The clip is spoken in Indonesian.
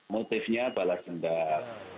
motifnya balas jendak